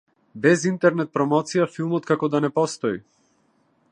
Без интернет промоција филмот како да не постои.